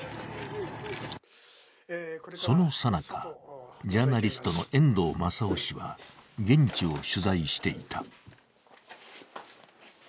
そのさなか、ジャーナリストの遠藤正雄氏は現地を取材していた。